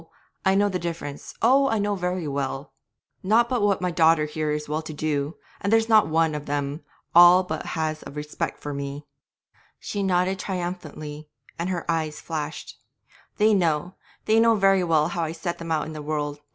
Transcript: I know the difference; oh! I know very well not but what my daughter here is well to do, and there's not one of them all but has a respect for me.' She nodded again triumphantly, and her eyes flashed. 'They know, they know very well how I set them out in the world.